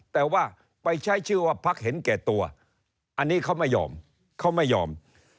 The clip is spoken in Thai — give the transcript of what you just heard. แต่ว่าไปใช้ชื่อว่าพักเห็นแก่ตัวอันนี้เขาไม่ยอมเขาไม่ยอม